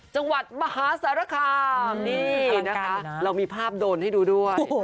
จังหวัดมหาสารคามนี่นะคะเรามีภาพโดนให้ดูด้วย